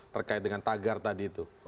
terkait dengan tagar tadi itu